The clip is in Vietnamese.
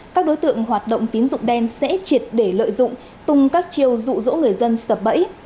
các đối tượng hoạt động tín dụng đen sẽ triệt để lợi dụng tung các chiêu dụ dỗ người dân sập bẫy